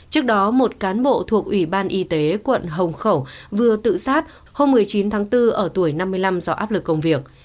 trước đó một cán bộ thuộc ủy ban y tế quận hồng khẩu vừa tự sát hôm một mươi chín tháng bốn ở tuổi năm mươi năm do áp lực công việc